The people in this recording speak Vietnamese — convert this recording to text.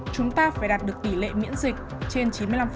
chúng ta phải đạt được tỷ lệ miễn dịch trên chín mươi năm